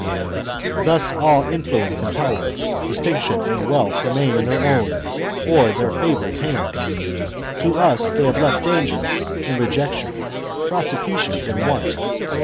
Thus all influence and power, distinction and wealth remain in their own, or their favourites' hand ; to us they have left danger and rejections, prosecutions and want.